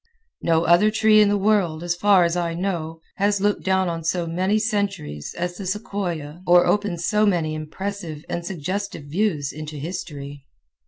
No other tree in the world, as far as I know, has looked down on so many centuries as the sequoia or opens so many impressive and suggestive views into history.